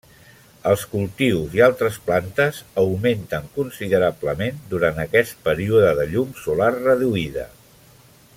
Els cultius i altres plantes augmenten considerablement durant aquest període de llum solar reduïda.